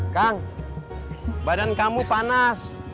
kang badan kamu panas